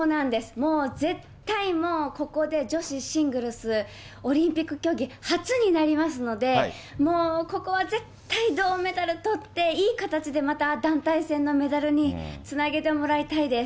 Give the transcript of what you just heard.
もう絶対、もうここで女子シングルス、オリンピック競技初になりますので、もうここは絶対、銅メダルとって、いい形で、また団体戦のメダルにつなげてもらいたいです。